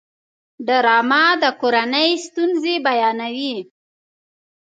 ډرامه د کورنۍ ستونزې بیانوي